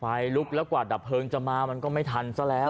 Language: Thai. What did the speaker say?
ลุกแล้วกว่าดับเพลิงจะมามันก็ไม่ทันซะแล้ว